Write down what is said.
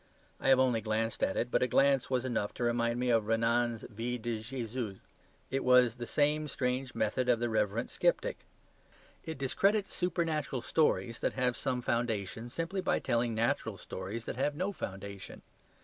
I have only glanced at it, but a glance was enough to remind me of Renan's "Vie de Jesus." It has the same strange method of the reverent sceptic. It discredits supernatural stories that have some foundation, simply by telling natural stories that have no foundation.